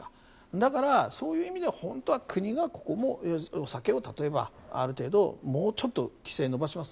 だからそういう意味では本当は国がここもお酒を例えば、ある程度もうちょっと規制を延ばします。